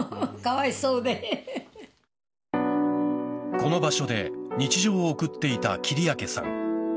この場所で日常を送っていた切明さん。